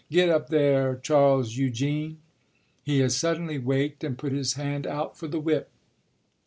"Get up there, Charles Eugene!" He had suddenly waked and put his hand out for the whip.